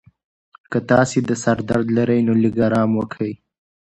که تاسي د سر درد لرئ، نو لږ ارام وکړئ.